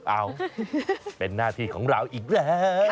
เอ้าเป็นหน้าที่ของเราอีกแล้ว